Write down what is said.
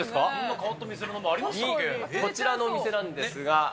変わった店の名前ありましたこちらのお店なんですが。